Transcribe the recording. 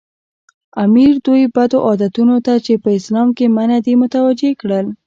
امیر دوی بدو عادتونو ته چې په اسلام کې منع دي متوجه کړل.